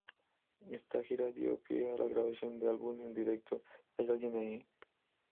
Esta gira dio pie a la grabación del álbum en directo "¿Hay alguien ahí?